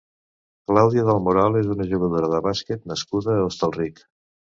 Clàudia del Moral és una jugadora de bàsquet nascuda a Hostalric.